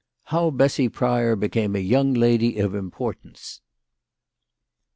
HOW BESSY PRYOR BECAME A YOUNG LADY OF IMPORTANCE.